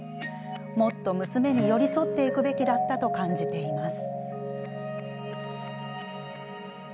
もっと娘に寄り添っていくべきだったと感じています。